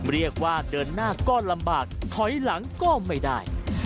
เรียกว่าเดินหน้าก็ลำบากถอยหลังก็ไม่ได้